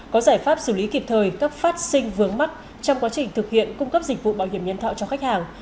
có giải pháp xử lý kịp thời các phát sinh vướng mắt trong quá trình thực hiện cung cấp dịch vụ bảo hiểm nhân thọ cho khách hàng